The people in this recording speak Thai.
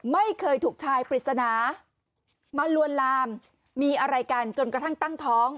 ไม่เคยถูกชายปริศนามาลวนลามมีอะไรกันจนกระทั่งตั้งท้อง